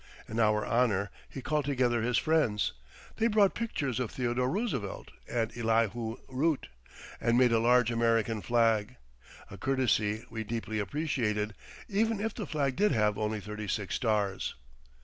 In our honor he called together his friends. They brought pictures of Theodore Roosevelt and Elihu Root, and made a large American flag; a courtesy we deeply appreciated, even if the flag did have only thirty six stars.